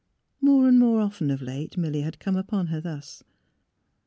More and more often of late Milly had come upon her thus.